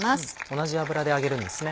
同じ油で揚げるんですね。